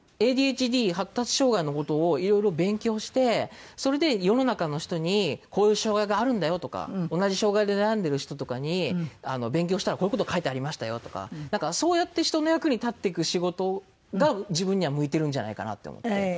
発達障害の事をいろいろ勉強してそれで世の中の人にこういう障害があるんだよとか同じ障害で悩んでる人とかに勉強したらこういう事書いてありましたよとかなんかそうやって人の役に立っていく仕事が自分には向いてるんじゃないかなって思って。